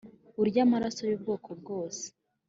Urya amaraso y ubwoko bwose